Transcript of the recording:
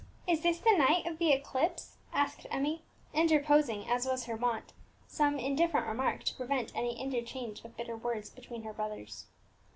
"Is this the night of the eclipse?" asked Emmie, interposing, as was her wont, some indifferent remark to prevent any interchange of bitter words between her brothers.